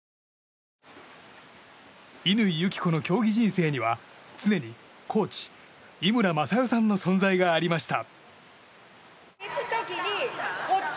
乾友紀子の競技人生には常にコーチ井村雅代さんの存在がありました。